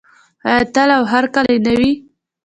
آیا تل او هرکله نه وي؟